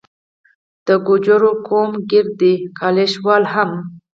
د ګوجرو قوم ګیري دي، ګالیش وال هم